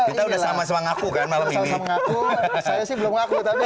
kita sudah sama sama ngaku malam ini